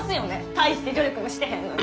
大して努力もしてへんのに。